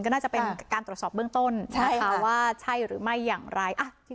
ก็น่าจะเป็นการตรวจสอบเบื้องต้นนะคะว่าใช่หรือไม่อย่างไร